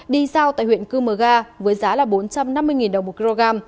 đi giao tại huyện cư mờ ga với giá là bốn trăm năm mươi đồng một kg